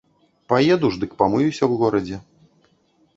Паеду ж, дык памыюся ў горадзе.